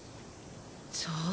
そう。